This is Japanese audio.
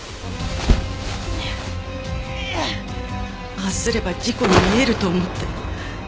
ああすれば事故に見えると思って。